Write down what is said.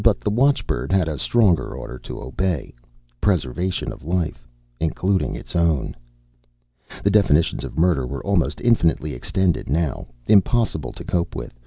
But the watchbird had a stronger order to obey preservation of life, including its own. The definitions of murder were almost infinitely extended now, impossible to cope with.